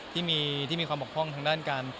ที่มีความบกพร่องทางด้านการ